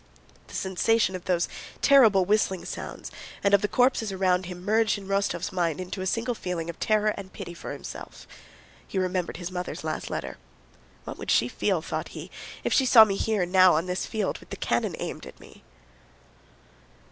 The sensation of those terrible whistling sounds and of the corpses around him merged in Rostóv's mind into a single feeling of terror and pity for himself. He remembered his mother's last letter. "What would she feel," thought he, "if she saw me here now on this field with the cannon aimed at me?"